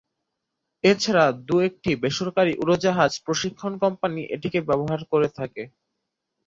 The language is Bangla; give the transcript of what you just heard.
এ ছাড়া দু’-একটি বেসরকারি উড়োজাহাজ প্রশিক্ষণ কোম্পানি এটিকে ব্যবহার করে থাকে।